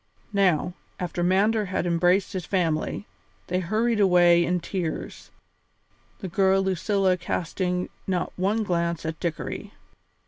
Now, after Mander had embraced his family, they hurried away in tears, the girl Lucilla casting not one glance at Dickory.